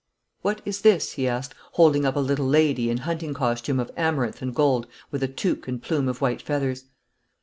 'What is this?' he asked, holding up a little lady in hunting costume of amaranth and gold with a toque and plume of white feathers.